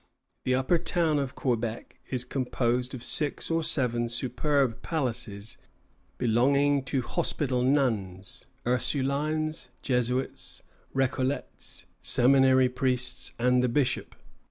The Upper Town of Quebec is composed of six or seven superb palaces belonging to Hospital Nuns, Ursulines, Jesuits, Récollets, Seminary priests, and the bishop.